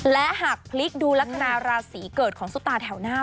และหากพลิกดูลักษณะราศีเกิดของซุปตาแถวหน้า